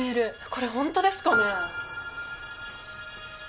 これホントですかね？